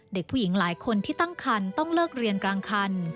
เด็กผู้หญิงหลายคนที่ตั้งคันต้องเลิกเรียนกลางคัน